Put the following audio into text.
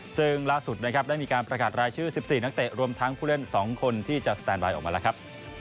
ซึ่งล่าสุดนะครับได้มีการประกาศรายชื่อ๑๔นักเตะรวมทั้งผู้เล่น๒คนที่จะสแตนบายออกมาแล้วครับ